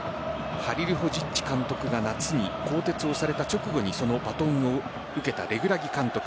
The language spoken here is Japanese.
ハリルホジッチ監督が夏に更迭をされた直後にそのバトンを受けたレグラギ監督。